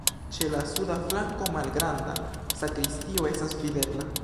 Ĉe la suda flanko malgranda sakristio estas videbla.